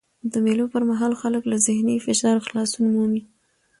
د مېلو پر مهال خلک له ذهني فشار خلاصون مومي.